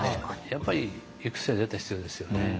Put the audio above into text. やっぱり育成絶対必要ですよね。